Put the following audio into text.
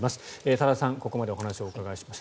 多田さんにここまでお話をお伺いしました。